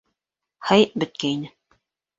Һый бөткәйне.